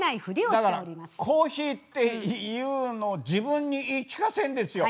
だからコーヒーっていうのを自分に言い聞かせるんですよ。